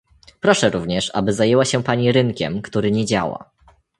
Proszę również, aby zajęła się pani rynkiem, który nie działa